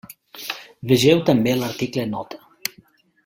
Vegeu també l'article Nota.